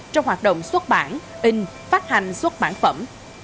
trong hoạt động xuất bản in phát hành xuất bản phẩm